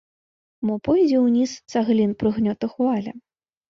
Мо пойдзе ўніз цаглін прыгнёту хваля?